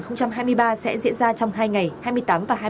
năm hai nghìn hai mươi ba sẽ diễn ra trong hai ngày